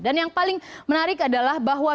dan yang paling menarik adalah